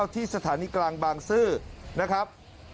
ที่สถานีกลางบางซื่อนะครับ